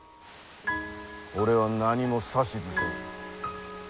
俺は何も指図せん。